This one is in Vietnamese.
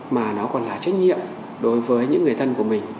mà nó còn là trách nhiệm đối với những người thân của mình